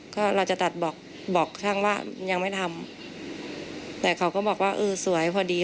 ก็เราจะตัดบอกบอกช่างว่ายังไม่ทำแต่เขาก็บอกว่าเออสวยพอดี